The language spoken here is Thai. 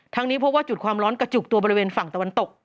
นี้พบว่าจุดความร้อนกระจุกตัวบริเวณฝั่งตะวันตก